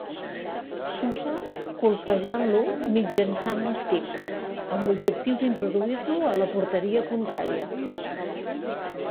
S'usa colpejant-lo mitjançant l'estic, amb l'objectiu d'introduir-lo a la porteria contrària.